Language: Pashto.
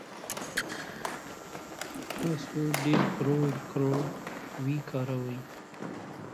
تاسو ولې سخت خج نه وکاروئ؟